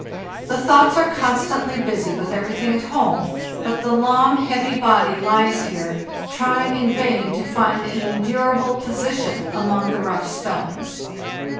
The thoughts are constantly busy with everything at home, but the long, heavy body lies here trying in vain to find an endur able position among the rough stones.